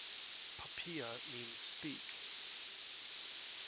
Papia means speak.